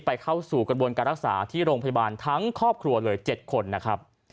เข้าสู่กระบวนการรักษาที่โรงพยาบาลทั้งครอบครัวเลย๗คนนะครับ